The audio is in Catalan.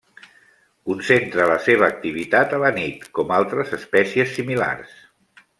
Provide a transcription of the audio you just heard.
Concentra la seva activitat a la nit, com altres espècies similars.